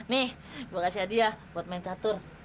nih gue kasih hadiah buat main catur